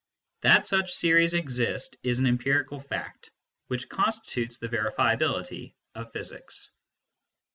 That such series exist is an empirical fact, which constitutes the verifiability of physics.